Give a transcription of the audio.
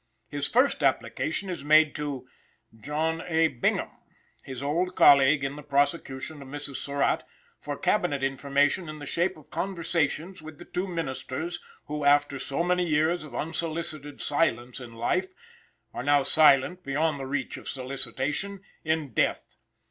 His first application is made to John A. Bingham, his old colleague in the prosecution of Mrs. Surratt, for Cabinet information in the shape of conversations with the two ministers, who, after so many years of unsolicited silence in life, are now silent, beyond the reach of solicitation, in death.